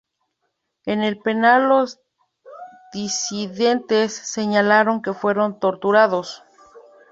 En el penal los disidentes señalaron que fueron torturados.